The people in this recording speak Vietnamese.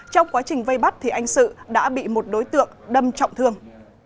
trong quá trình vây bắt anh sự đã bị một đối tượng đâm trọng thương